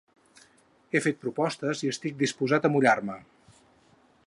He fet propostes i estic disposat a mullar-me.